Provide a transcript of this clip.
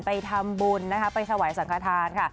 ไปทำบุญไปสวัสดิ์อสังฐานค่ะ